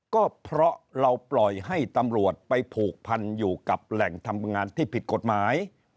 ก็เพราะเราปล่อยให้ตำรวจไปผูกพันอยู่กับแหล่งทำงานที่ผิดกฎหมาย